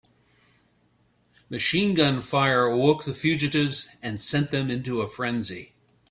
Machine gun fire awoke the fugitives and sent them into a frenzy.